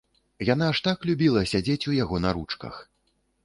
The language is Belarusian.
Яна ж так любіла сядзець у яго на ручках!